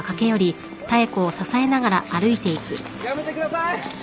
やめてください。